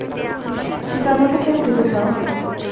শিকাগোতে কেন যেতে চাও?